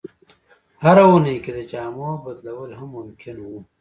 هره اونۍ کې د جامو بدلول هم ممکن وو.